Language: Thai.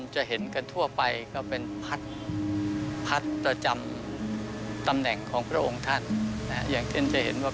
จะเห็นกันทั่วไปก็เป็นบทให้จำตำแหน่งของพระองค์ท่านอย่างเช่นกัน